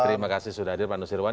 terima kasih sudah hadir pak nusirwan